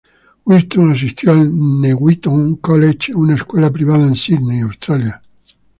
Winton asistió al Newington College una escuela privada en Sídney, Australia.